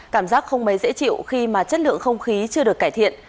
cảm giác không mấy dễ chịu khi mà chất lượng không khí chưa được cải thiện